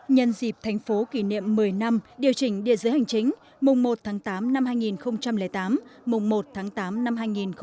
nhân dịp thành phố kỷ niệm một mươi năm điều chỉnh địa giới hành chính mùng một tháng tám năm hai nghìn tám mùng một tháng tám năm hai nghìn một mươi chín